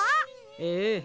ええ。